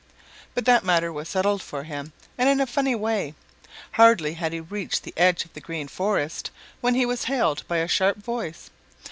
But that matter was settled for him, and in a funny way. Hardly had he reached the edge of the Green Forest when he was hailed by a sharp voice.